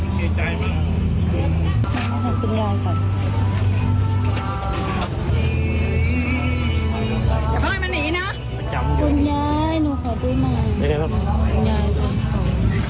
คุณยายหนูขอดูหน่อย